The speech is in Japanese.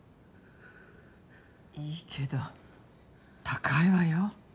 いいけど高いわよ？